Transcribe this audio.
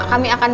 kami akan berdoa